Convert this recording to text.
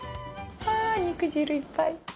あ肉汁いっぱい。